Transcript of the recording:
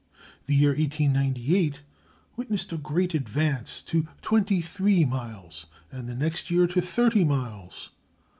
The year 1898 witnessed a great advance to twenty three miles, and the next year to thirty miles.